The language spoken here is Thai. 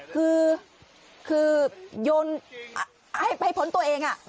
คือคือโยนให้ผลตัวเองอ่ะ